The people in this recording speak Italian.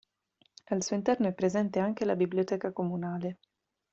Al suo interno è presente anche la biblioteca comunale.